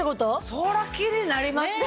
そらキレイになりますよ！